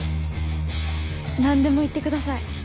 何でも言ってください。